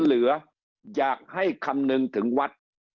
โปรดติดตามต่อไป